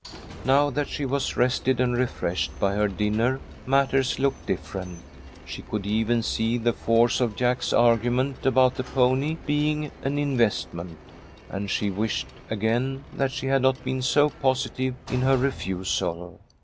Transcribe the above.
Now that she was rested and refreshed by her dinner, matters looked different. She could even see the force of Jack's argument about the pony being an investment, and she wished again that she had not been so positive in her refusal.